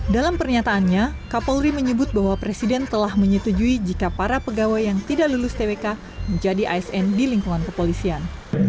dalam pernyataannya kapolri menyebut bahwa presiden telah menyetujui jika para pegawai yang tidak lulus twk menjadi asn di lingkungan kepolisian